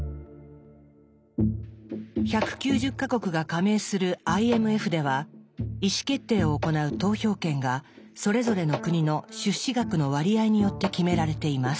１９０か国が加盟するＩＭＦでは意思決定を行う投票権がそれぞれの国の出資額の割合によって決められています。